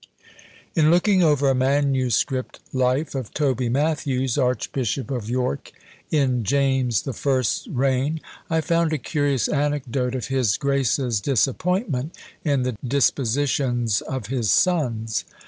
In looking over a manuscript life of Tobie Matthews, Archbishop of York in James the First's reign, I found a curious anecdote of his grace's disappointment in the dispositions of his sons.